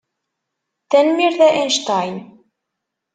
Tanemmirt a Einstein.